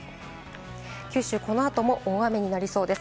九州はこの後も大雨になりそうです。